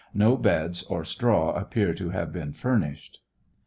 No beds or straw appear to have been furnished.